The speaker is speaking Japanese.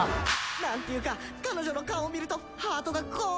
「何ていうか彼女の顔を見るとハートがこう」